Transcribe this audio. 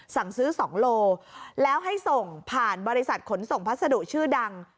สั่งซื้อ๒โลแล้วให้ส่งผ่านบริษัทขนส่งพัสดุชื่อดัง